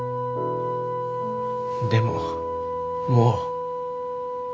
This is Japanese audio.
でももう。